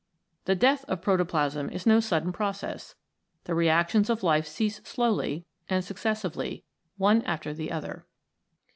The death of protoplasm is no sudden process. The reactions of life cease slowly and successively one after the other.